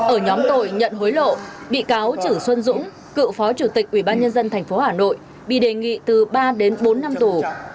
ở nhóm tội nhận hối lộ bị cáo chử xuân dũng cựu phó chủ tịch ubnd tp hà nội bị đề nghị từ ba đến bốn năm tù